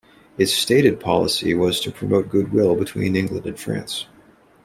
Its stated policy was to promote goodwill between England and France.